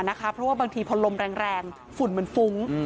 เพราะว่าบางทีพอลมแรงฝุ่นมันฟุ้ง